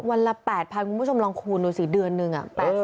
วันละ๘๐๐คุณผู้ชมลองคูณดูสิเดือนหนึ่ง